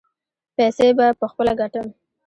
پیسې به پخپله ګټم.